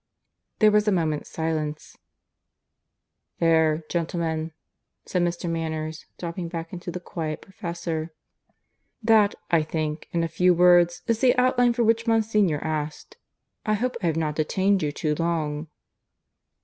There was a moment's silence. "There, gentlemen," said Mr. Manners, dropping back again into the quiet professor, "that, I think, in a few words, is the outline for which Monsignor asked. I hope I have not detained you too long."